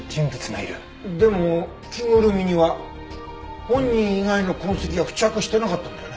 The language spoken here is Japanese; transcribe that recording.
でも着ぐるみには本人以外の痕跡は付着してなかったんだよね？